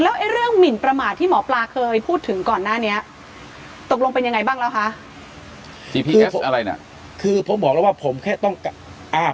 ไอ้เรื่องหมินประมาทที่หมอปลาเคยพูดถึงก่อนหน้านี้ตกลงเป็นยังไงบ้างแล้วคะที่พี่แกพูดอะไรน่ะคือผมบอกแล้วว่าผมแค่ต้องการอ่า